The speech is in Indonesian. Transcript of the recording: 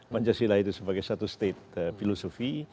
pancasila itu sebagai satu state filosofi